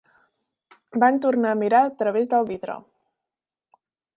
Van tornar a mirar a través del vidre.